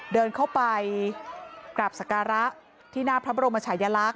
เดินเข้าไปกราบสการะที่หน้าพระบรมชายลักษ